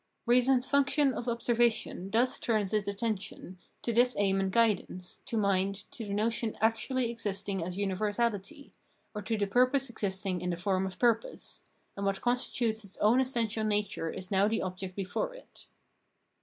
Reason's function of observation thus turns its attention to this aim and guidance, to mind, to the notion actually existuig as universahty, or to the purpose existing in the form of purpose ; and what constitutes its own essential nature is now the object before it.